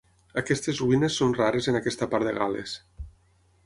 Aquestes ruïnes són rares en aquesta part de Gal·les.